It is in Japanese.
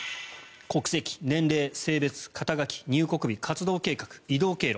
国籍、年齢、性別、肩書入国日、活動計画、移動経路